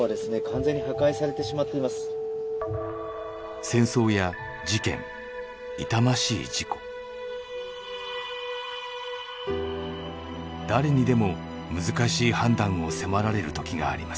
誰にでも難しい判断を迫られるときがあります。